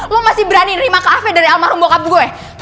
lo masih berani nerima kafe dari almarhum bokap gue